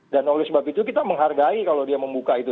dan oleh sebab itu kita menghargai kalau dia membuka itu